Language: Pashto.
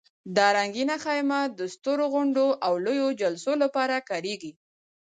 دا رنګینه خیمه د سترو غونډو او لویو جلسو لپاره کارېږي.